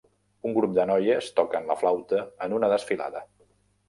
Un grup de noies toquen la flauta en una desfilada.